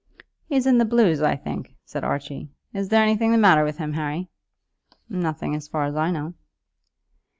"He's in the blues, I think," said Archie. "Is there anything the matter with him, Harry?" "Nothing as far as I know."